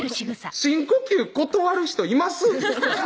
深呼吸断る人います？